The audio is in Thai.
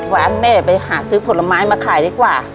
แม่ไปหาซื้อผลไม้มาขายดีกว่า